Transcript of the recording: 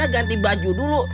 kita ganti baju dulu